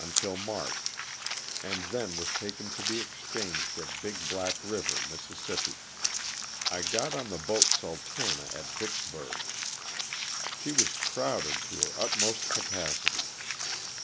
until March, and then was taken to be exchanged at Big Black river, Miss. I got on the boat "Sultana'* at Vicksburg. She was crowded to her utmost capacity.